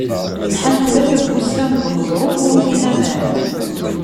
Lḥan tlata n wussan deg uneẓruf, ur ufin aman.